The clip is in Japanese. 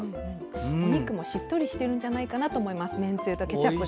お肉もしっとりしてるんじゃないかと思います。